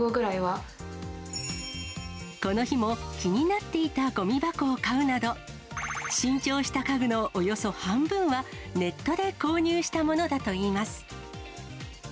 この日も、気になっていたごみ箱を買うなど、新調した家具のおよそ半分は、ネットで購入したものだといいます。